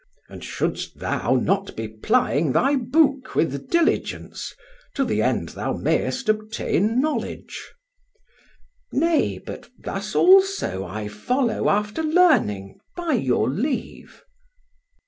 and should'st thou not be plying thy Book with diligence, to the end thou mayest obtain knowledge?" "Nay, but thus also I follow after Learning, by your leave."